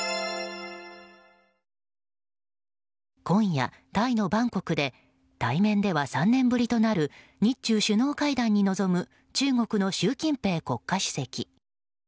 今夜、タイのバンコクで対面では３年ぶりとなる日中首脳会談に臨む中国の習近平国家主席。